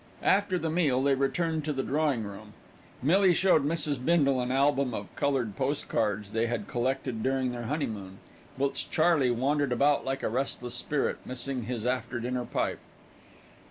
After the meal, they returned to the drawing room. Millie showed Mrs. Bindle an album of coloured postcards they had collected during their honeymoon, whilst Charley wandered about like a restless spirit, missing his after dinner pipe.